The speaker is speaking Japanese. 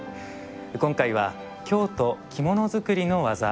今回は「京都着物づくりの技」です。